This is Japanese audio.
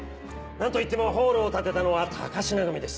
何といってもホールを建てたのは高階組です。